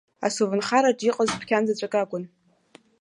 Асовнхараҿы иҟаз дәқьан заҵәык акәын.